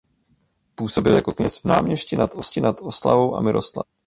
Působil jako kněz v Náměšti nad Oslavou a Miroslavi.